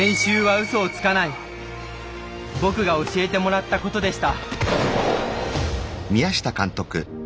僕が教えてもらったことでした。